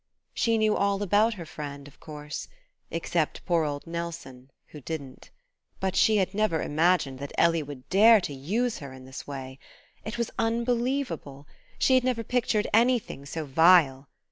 She knew all about her friend, of course; except poor old Nelson, who didn't, But she had never imagined that Ellie would dare to use her in this way. It was unbelievable... she had never pictured anything so vile....